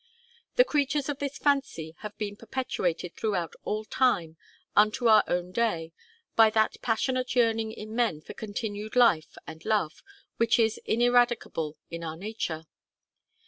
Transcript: The creatures of this fancy have been perpetuated throughout all time, unto our own day, by that passionate yearning in men for continued life and love, which is ineradicable in our nature.